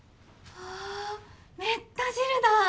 わぁめった汁だ。